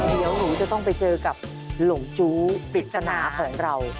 เดี๋ยวหนูจะต้องไปเจอกับหลงจู้ปริศนาของเรา